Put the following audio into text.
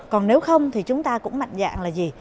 còn nếu không thì chúng ta cũng mạnh dạng là gì